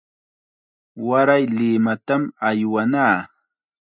Waray Limatam aywanaa.